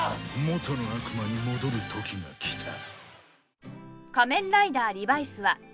元の悪魔に戻る時が来た。